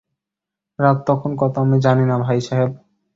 রাত তখন কত আমি জানি না ভাইসাহেব।